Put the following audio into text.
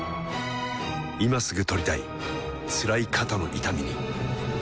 今すぐ取りたいつらい肩の痛みにはぁ